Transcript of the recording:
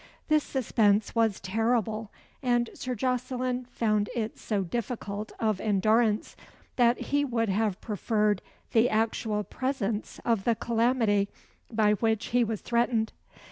This suspense was terrible, and Sir Jocelyn found it so difficult of endurance, that he would have preferred the actual presence of the calamity by which he was threatened.